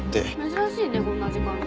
珍しいねこんな時間に。